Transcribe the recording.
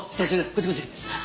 こっちこっち。